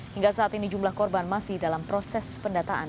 hingga saat ini jumlah korban masih dalam proses pendataan